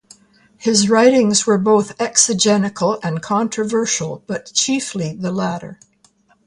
His writings were both exegetical and controversial, but chiefly the latter.